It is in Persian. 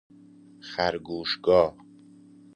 خرگوشگاه